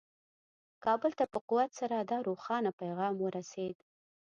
کابل ته په قوت سره دا روښانه پیغام ورسېد.